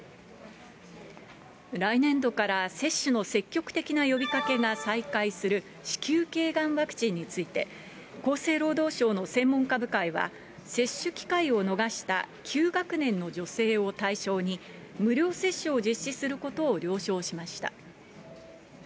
来年度から接種の積極的な呼びかけが再開する子宮けいがんワクチンについて、厚生労働省の専門家部会は、接種機会を逃した９学年の女性を対象に、無料接種を実施することを了承しました。